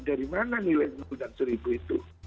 dari mana nilai sepuluh dan seribu itu